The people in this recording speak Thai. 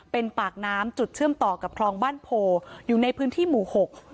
เป็นปากน้ำจุดเชื่อมต่อกับคลองบ้านโพอยู่ในพื้นที่หมู่หก